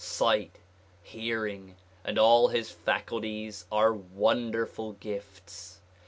Sight, hearing and all his faculties are wonderful gifts.